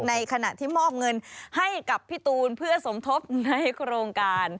ในขณะที่มอบเงินให้กับพี่ตูนเพื่อสมทบในโครงการ